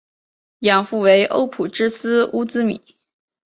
养父为欧普之狮乌兹米。